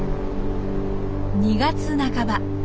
２月半ば。